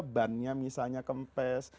misalnya bannya kempes